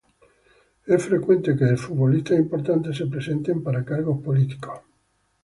Es frecuente que exfutbolistas importantes se presenten para cargos políticos.